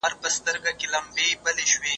زه اجازه لرم چي ږغ واورم؟